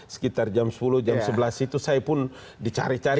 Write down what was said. sekitar jam sepuluh jam sebelas itu saya pun dicari cari